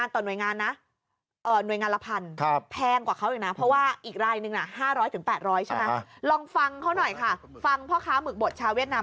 ไฟล่ะห้าร้ำบัจนะ